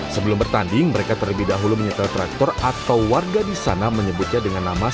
sebelum bertanding mereka terlebih dahulu menyetel traktor atau warga di sana menyebutnya dengan nama